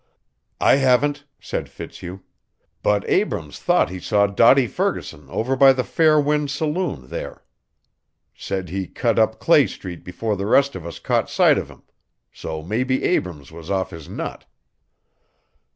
"I haven't," said Fitzhugh, "but Abrams thought he saw Dotty Ferguson over by the Fair Wind saloon there. Said he cut up Clay Street before the rest of us caught sight of him so maybe Abrams was off his nut."